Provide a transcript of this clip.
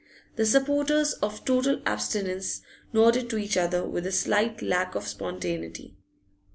The supporters of total abstinence nodded to each other, with a slight lack of spontaneity.